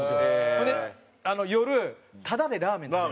ほんで夜タダでラーメン食べれる。